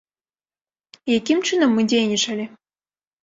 Якім чынам мы дзейнічалі?